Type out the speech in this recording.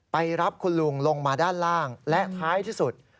ไปรับคุณลุงลงมาด้านล่างและท้ายที่สุด